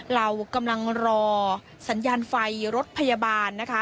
เรากำลังรอสัญญาณไฟรถพยาบาลนะคะ